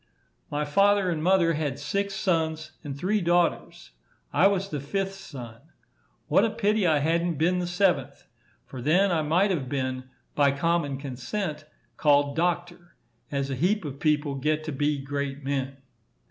My father and mother had six sons and three daughters. I was the fifth son. What a pity I hadn't been the seventh! For then I might have been, by common consent, called doctor, as a heap of people get to be great men.